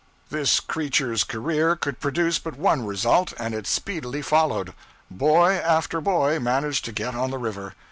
This creature's career could produce but one result, and it speedily followed. Boy after boy managed to get on the river.